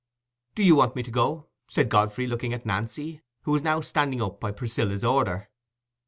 "Do you want me to go?" said Godfrey, looking at Nancy, who was now standing up by Priscilla's order.